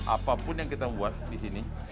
apapun yang kita buat di sini